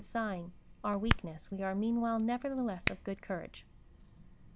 237 sighing/ our weakness, we are meanwhile, nevertheless, of good courage.